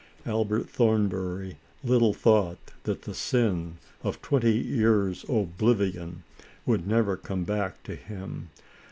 Albert Thornbury little thought that the sin of twenty years oblivion would ever come back to him.